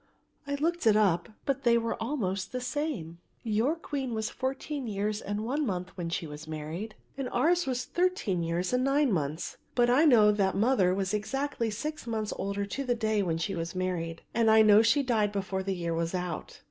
"I looked it up; but they were almost the same, your queen was fourteen years and one month when she married and ours was thirteen years and nine months. But I know that mother was exactly six months older to a day when she married, and I know that she died before the year was out."